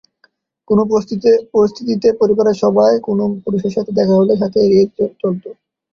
কোন পরিস্থিতিতে পরিবারে বাইরের কোন পুরুষের সাথে দেখা হলে সাথে সাথে এড়িয়ে চলত।